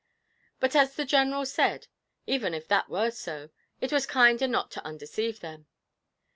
But as the General said: 'Even if that were so, it was kinder not to undeceive them.